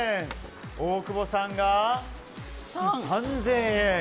大久保さんが３０００円。